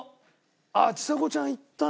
ああちさ子ちゃんいったな。